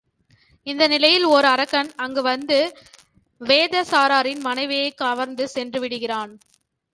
இந்த நிலையில் ஓர் அரக்கன் அங்கு வந்து வேதசாரரின் மனைவியைக் கவர்ந்து சென்று விடுகிறான்.